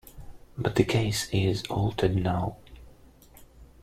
But the case is altered now.